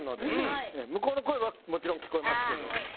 向こうの声はもちろん聞こえますけど。